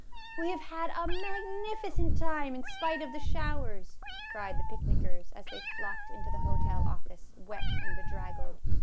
" We have had a magnificent time in spite of the showers," cried the picnickers, as they flocked into the hotel office, wet and bedraggled.